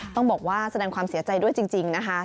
ต้องบอกว่าแสดงความเสียใจด้วยจริงนะคะ